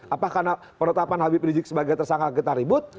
apa karena penetapan habib rizik sebagai tersangka kita ribut